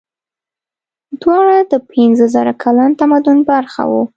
دواړه د پنځه زره کلن تمدن برخه وو.